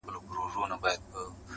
زموږ د سندرو د ښادیو وطن!.